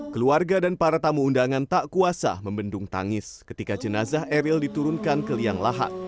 keluarga dan para tamu undangan tak kuasa membendung tangis ketika jenazah eril diturunkan ke liang lahat